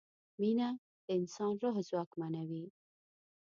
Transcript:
مینه د انسان روح ځواکمنوي.